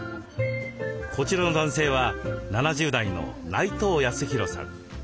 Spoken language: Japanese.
こちらの男性は７０代の内藤泰弘さん。